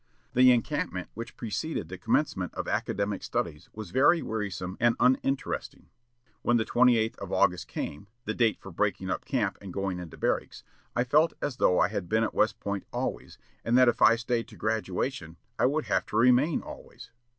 The encampment which preceded the commencement of academic studies was very wearisome and uninteresting. When the 28th of August came the date for breaking up camp and going into barracks I felt as though I had been at West Point always, and that if I stayed to graduation I would have to remain always.